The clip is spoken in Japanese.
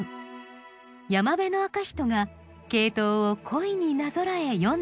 山部赤人がケイトウを恋になぞらえ詠んだ歌だといいます。